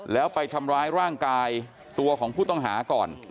แล้วไปทำร้ายร่างกายตัวของผู้ต้องหาก่อน